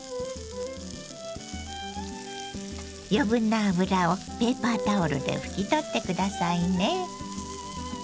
余分な油をペーパータオルで拭き取って下さいね。